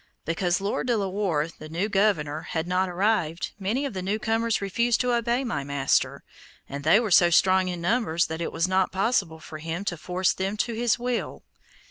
Because Lord De la Warr, the new governor, had not arrived, many of the new comers refused to obey my master, and they were so strong in numbers that it was not possible for him to force them to his will.